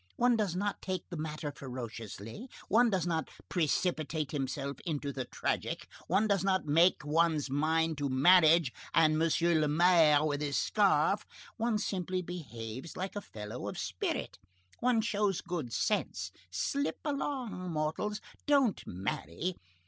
One does not take the matter ferociously; one does not precipitate himself into the tragic; one does not make one's mind to marriage and M. le Maire with his scarf. One simply behaves like a fellow of spirit. One shows good sense. Slip along, mortals; don't marry.